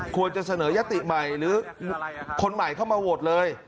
ควรจะเสนอยติใหม่หรือคนใหม่เข้ามาโหวตเลย